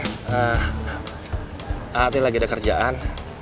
nanti lagi ada kerjaan